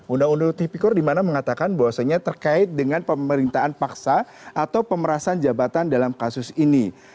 undang undang tipikor dimana mengatakan bahwasanya terkait dengan pemerintahan paksa atau pemerasan jabatan dalam kasus ini